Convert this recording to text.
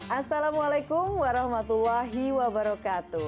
assalamualaikum warahmatullahi wabarakatuh